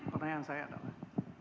pertanyaan saya adalah